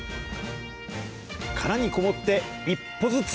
殻にこもって一歩ずつ。